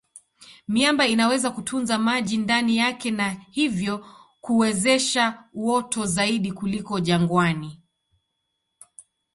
Miamba inaweza kutunza maji ndani yake na hivyo kuwezesha uoto zaidi kuliko jangwani.